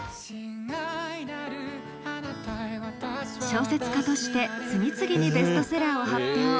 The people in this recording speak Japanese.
小説家として次々にベストセラーを発表。